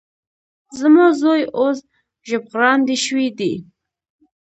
زما زوی اوس ژبغړاندی شوی دی.